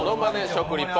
食リポ